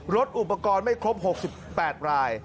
รถอุปกรณ์ไม่ครบ๖๘ราย